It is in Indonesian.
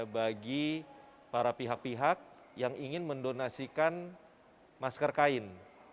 bagi para pihak pihak yang ingin mendonasikan masker kain